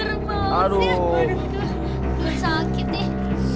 udah sakit nih